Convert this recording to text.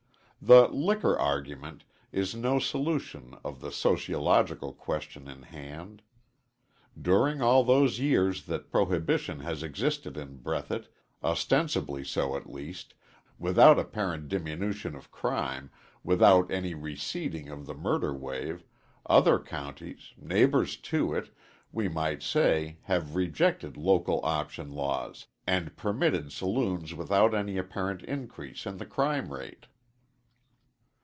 The "liquor argument" is no solution of the sociological question in hand. During all those years that prohibition has existed in Breathitt, ostensibly so, at least, without apparent diminution of crime, without any receding of the murder wave, other counties, neighbors to it, we might say, have rejected local option laws, and permitted saloons without any apparent increase in the crime rate.